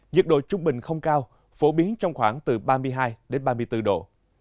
nhiệt độ trung bình không cao phổ biến trong khoảng từ ba mươi hai đến ba mươi bốn độ